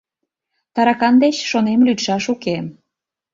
Таракан деч, шонем, лӱдшаш уке.